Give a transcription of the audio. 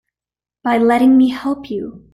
By letting me help you.